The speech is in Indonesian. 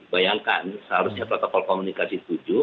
bayangkan seharusnya protokol komunikasi tujuh